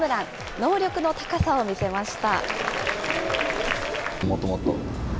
能力の高さを見せました。